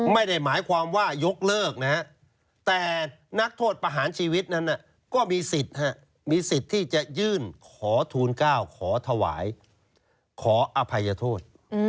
ไม่ได้หมายความว่ายกเลิกนะฮะแต่นักโทษประหารชีวิตนั้นก็มีสิทธิ์มีสิทธิ์ที่จะยื่นขอทูล๙ขอถวายขออภัยโทษ